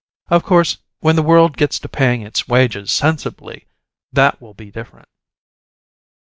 Of course, when the world gets to paying its wages sensibly that will be different."